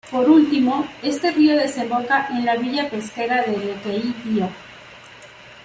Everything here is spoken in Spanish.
Por último este río desemboca en la villa pesquera de Lequeitio.